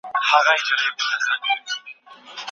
که موږ تسلیم شو، نو خاورې به مو په خپل ځان کې ښخ کړي.